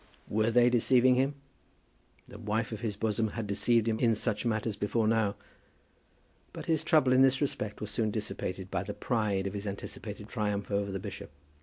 Were they deceiving him? The wife of his bosom had deceived him in such matters before now. But his trouble in this respect was soon dissipated by the pride of his anticipated triumph over the bishop.